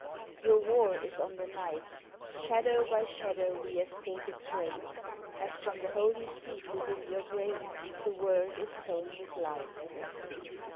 Your war is on the night: Shadow by shadow we escape its reign, As from the holy seed within your brain The world is sown with light.